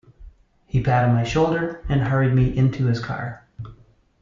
He patted my shoulder and hurried me into his car.